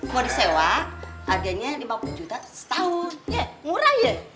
mau disewa harganya lima puluh juta setahun ngerah iya